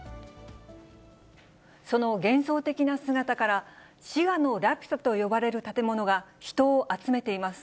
その幻想的な姿から、滋賀のラピュタと呼ばれる建物が人を集めています。